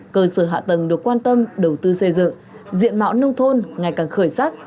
cơ sở hạ tầng được quan tâm đầu tư xây dựng diện mạo nông thôn ngày càng khởi sắc